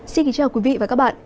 xin kính chào quý vị và các bạn